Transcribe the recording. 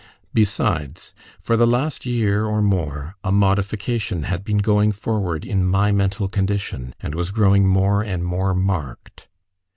Besides, for the last year or more a modification had been going forward in my mental condition, and was growing more and more marked.